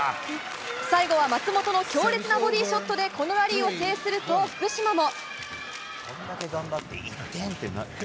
最後は松本の強烈なボディーショットでこのラリーを制すると、福島も。